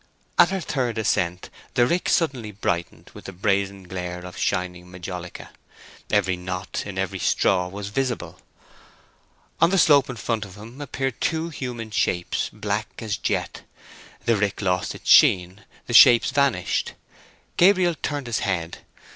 At her third ascent the rick suddenly brightened with the brazen glare of shining majolica—every knot in every straw was visible. On the slope in front of him appeared two human shapes, black as jet. The rick lost its sheen—the shapes vanished. Gabriel turned his head.